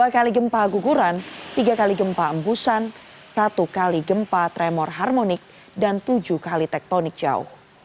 dua kali gempa guguran tiga kali gempa embusan satu kali gempa tremor harmonik dan tujuh kali tektonik jauh